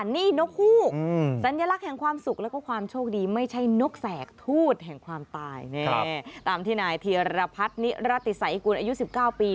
นกแสกทูตแห่งความตายตามที่นายเทียรภัทรนิรติสัยกุลอายุ๑๙ปี